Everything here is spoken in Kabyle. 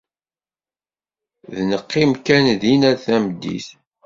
d neqqim kan dinn ar tameddit.